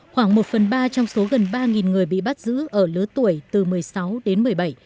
khoảng một phần ba trong số gần ba người bị bắt giữ ở lứa tuổi từ một mươi sáu đến một mươi bảy